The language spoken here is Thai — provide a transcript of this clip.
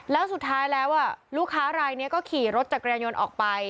แล้วสุดท้ายแล้วลูกค้ารายนี้ก็ขี่รถจักรยานยนต์ออกไป